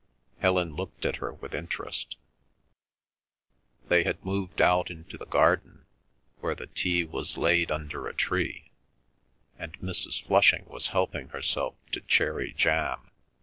Helen looked at her with interest. They had moved out into the garden, where the tea was laid under a tree, and Mrs. Flushing was helping herself to cherry jam.